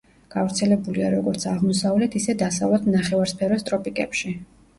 გავრცელებულია როგორც აღმოსავლეთ, ისე დასავლეთ ნახევარსფეროს ტროპიკებში.